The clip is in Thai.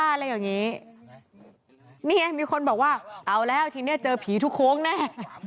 อะไรอย่างนี้นี่ไงมีคนบอกว่าเอาแล้วทีเนี้ยเจอผีทุกโค้งแน่